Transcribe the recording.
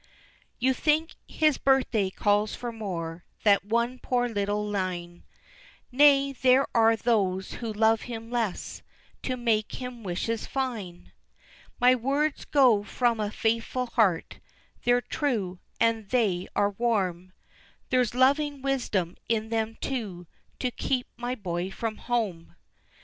_ You think his birthday calls for more Than one poor little line, Nay, there are those who love him less To make him wishes fine; My words go from a faithful heart, They're true, and they are warm, There's loving wisdom in them, too, To keep my boy from home.